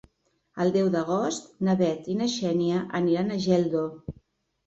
El deu d'agost na Bet i na Xènia aniran a Geldo.